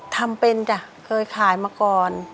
ทำเป็นจ้ะเคยขายมาก่อน